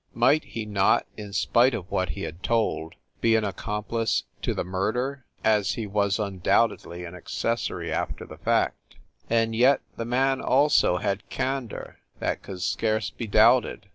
Might he not, in spite of what he had told, be an accomplice to the murder, as he was undoubt edly an accessory after the fact? And yet, the man also had candor that could scarce be doubted.